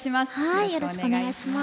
よろしくお願いします。